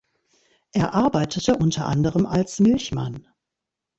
Er arbeitete unter anderem als Milchmann.